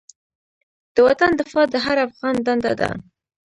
د وطن دفاع د هر افغان دنده ده.